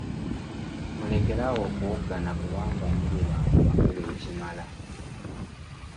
Mulekere awo okuwoggana kubanga muli bantu bakulu ekimala.